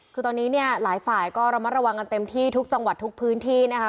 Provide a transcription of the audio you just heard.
คือตอนนี้เนี่ยหลายฝ่ายก็ระมัดระวังกันเต็มที่ทุกจังหวัดทุกพื้นที่นะคะ